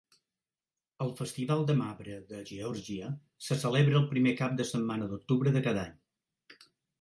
El Festival de marbre de Geòrgia se celebra el primer cap de setmana d'octubre de cada any.